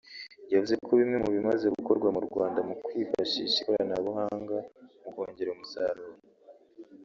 yavuze ko bimwe mu bimaze gukorwa mu Rwanda mu kwifashisha ikoranabuhanga mu kongera umusaruro